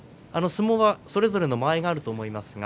相撲は、それぞれ間合いがあると思います。